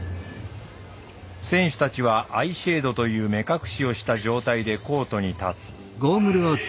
選手たちはアイシェードという目隠しをした状態でコートに立つ。